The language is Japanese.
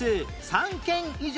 ３件以上。